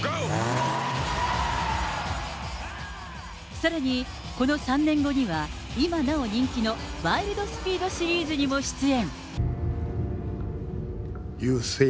さらにこの３年後には、今なお人気のワイルドスピードシリーズにも出演。